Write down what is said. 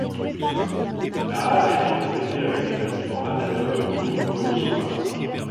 La Halle a été complétée avec des bâtiments analogues rue Kolejowa.